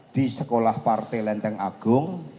di sekolah partai lenteng agung